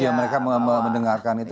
ya mereka mendengarkan itu